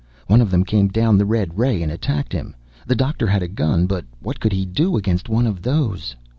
One of them came down the red ray, and attacked him. The doctor had a gun but what could he do against one of those?"